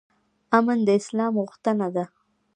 امن د اسلام غوښتنه ده